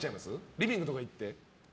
リビングとか行って。